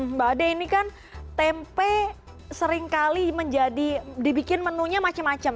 mbak ade ini kan tempe seringkali menjadi dibikin menunya macam macam